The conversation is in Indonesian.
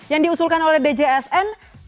yang diusulkan oleh djsn